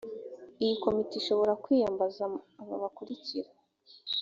iyi komite ishobora kwiyambaza aba bakurikira